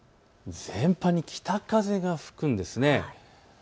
全般に北風が吹くんです。